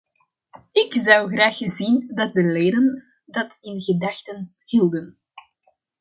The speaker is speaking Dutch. Ik zou graag zien dat de leden dat in gedachten hielden.